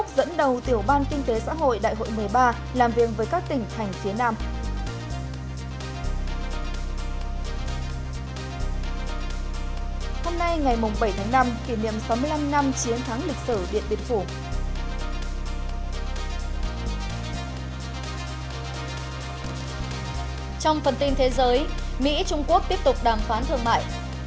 trong phần tin thế giới mỹ trung quốc tiếp tục đàm phán thương mại